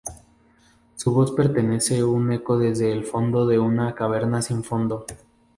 Su voz parece un eco desde el fondo de una caverna sin fondo.